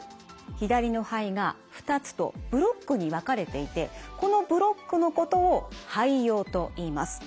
左の肺が２つとブロックに分かれていてこのブロックのことを肺葉といいます。